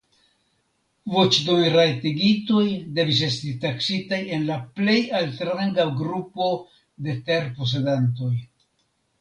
Voĉdonrajtigitoj devis esti taksitaj en la plej altranga grupo de terposedantoj.